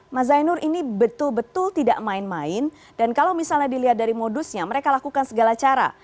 mas zainur ini betul betul tidak main main dan kalau misalnya dilihat dari modusnya mereka lakukan segala cara